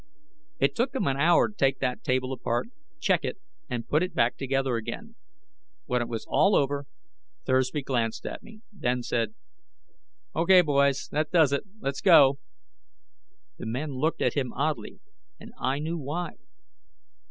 It took them an hour to take that table apart, check it, and put it back together again. When it was all over, Thursby glanced at me, then said: "O.K., boys; that does it. Let's go." The men looked at him oddly, and I knew why.